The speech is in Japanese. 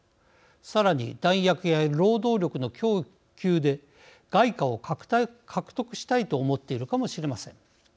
さらに、弾薬や労働力の供給で外貨を獲得したいと思っているかもしれません。